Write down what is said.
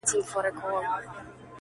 اولادونه مي له لوږي قتل کېږي-